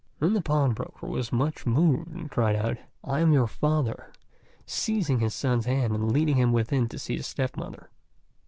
Then the pawnbroker was much moved, and cried out, "I am your father!" seizing his son's hand and leading him within to see his step mother.